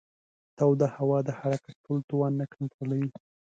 توده هوا د حرکت ټول توان نه کنټرولوي.